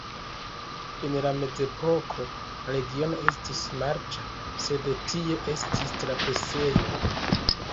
En la mezepoko la regiono estis marĉa, sed tie estis trapasejo.